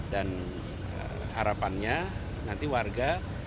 dan harapannya nanti warga